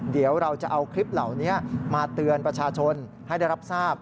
เดี๋ยวเราจะเอาคลิปเหล่านี้มาเตือนประชาชนให้ได้รับทราบ